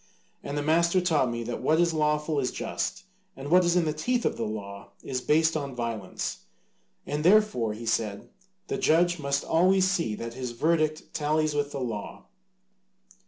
And the master taught me that what is lawful is just and what is in the teeth of law is based on violence, and therefore, he said, the judge must always see that his verdict tallies with the law.